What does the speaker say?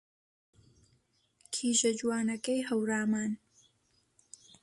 کیژە جوانەکەی هەورامان